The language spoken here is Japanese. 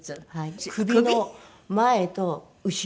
首の前と後ろ。